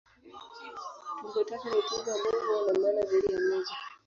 Tungo tata ni tungo ambayo huwa na maana zaidi ya moja.